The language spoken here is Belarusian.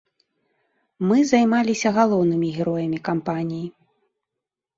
Мы займаліся галоўнымі героямі кампаніі.